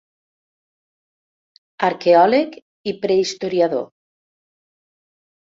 Arqueòleg i prehistoriador.